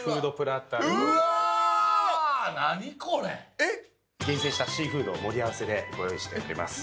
やっぱ好きだな厳選したシーフードを盛り合わせでご用意しております。